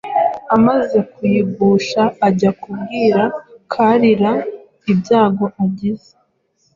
Amaze kuyigusha ajya kubwira Kalira ibyago agize;